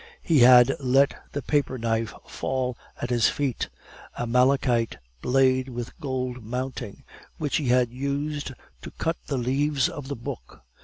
He had let the paper knife fall at his feet, a malachite blade with gold mounting, which he had used to cut the leaves of the book.